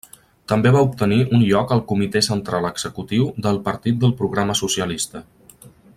També va obtenir un lloc al Comitè Central Executiu del Partit del Programa Socialista.